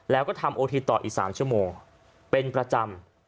แล้วก็ทำโอทีต่ออีก๓ชั่วโมงเป็นประจำ